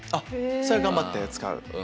それは頑張って使う。